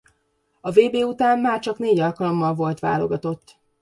A vb után már csak négy alkalommal volt válogatott.